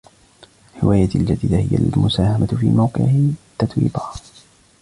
هوايتي الجديدة هي المساهمة في موقع تتويبا.